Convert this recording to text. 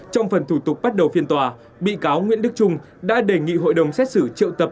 trong phần thủ tục bắt đầu phiên tòa bị cáo nguyễn đức trung đã đề nghị hội đồng xét xử triệu tập